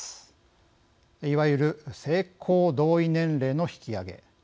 いわゆる性交同意年齢の引き上げ。